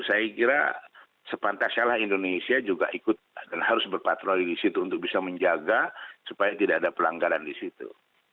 saya kira sepantasnya lah indonesia juga ikut dan harus berpatroli di situ untuk bisa menjaga supaya tidak ada pelanggaran di situ